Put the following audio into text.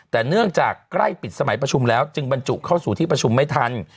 แต่เนื่องจากใกล้ปิดสมัยประชุมแล้วจึงบรรจุเข้าสู่ที่ประชุมไม่ทัน